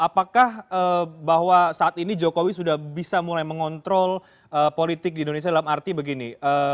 apakah bahwa saat ini jokowi sudah bisa mulai mengontrol politik di indonesia dalam arti begini